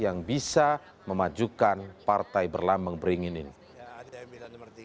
yang bisa memajukan partai berlambang beringin ini